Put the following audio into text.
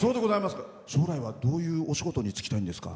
将来はどういうお仕事に就きたいんですか？